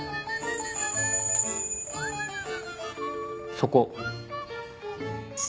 そこ。